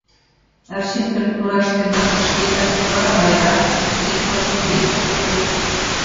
Арсин пӧрт тураште Ната шкетак, вара Майра, ик вате, вес вате толыт.